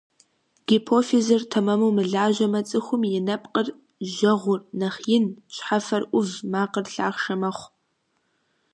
Гипофизыр тэмэму мылажьэмэ, цӀыхум и нэпкъыр, жьэгъур нэхъ ин, щхьэфэр Ӏув, макъыр лъахъшэ мэхъу.